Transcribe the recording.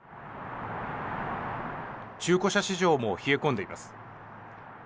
中古車市場も冷え込んでいます。